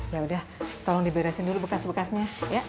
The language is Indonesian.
yaudah tolong diberesin dulu bekas bekasnya ya